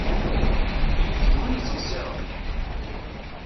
Ili-k d win yettqeṣṣiṛen!